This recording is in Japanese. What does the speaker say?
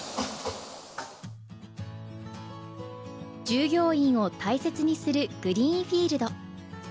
従業員を大切にするグリーンフィールド。